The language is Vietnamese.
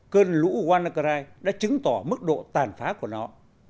cơn lũ wanakarai đã chứng tỏ mức độ tàn phá của nó